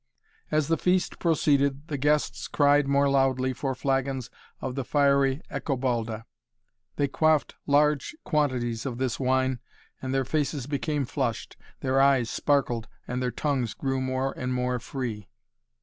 As the feast proceeded the guests cried more loudly for flagons of the fiery ecobalda. They quaffed large quantities of this wine and their faces became flushed, their eyes sparkled and their tongues grew more and more free.